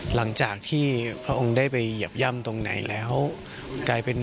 หลังจากที่พระองค์ได้ไปเหยียบย่ำตรงไหนแล้วกลายเป็น